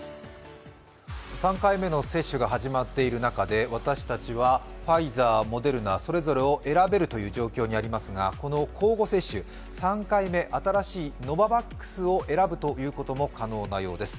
３回目の接種が始まっている中で私たちはファイザー、モデルナそれぞれを選べるという状況にありますがこの交互接種、３回目、新しいノババックスを選ぶということも可能なようです。